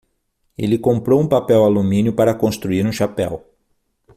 Ele comprou um papel-alumínio para construir um chapéu.